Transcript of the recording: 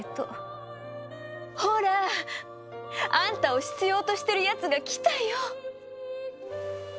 ほら！あんたを必要としてるやつが来たよ。